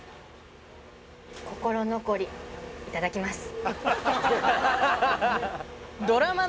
心のこりいただきます